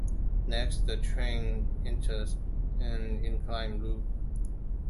Next, the train enters an inclined loop.